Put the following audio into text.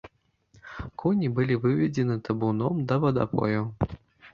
Коні былі выведзены табуном да вадапою.